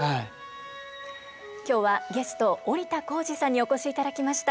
今日はゲスト織田紘二さんにお越しいただきました。